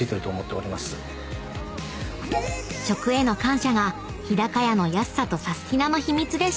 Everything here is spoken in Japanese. ［食への感謝が日高屋の安さとサスティな！の秘密でした］